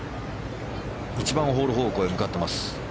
１番ホール方向へ向かっています。